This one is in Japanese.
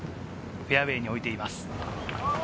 フェアウエーに置いています。